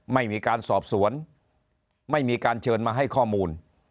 ไม่มีการสอบสวนไม่มีการเชิญมาให้ข้อมูล